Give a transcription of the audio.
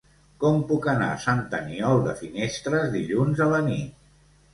Com puc anar a Sant Aniol de Finestres dilluns a la nit?